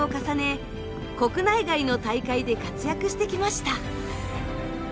国内外の大会で活躍してきました。